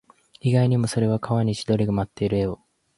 意外にも、それは川に千鳥が舞っている絵を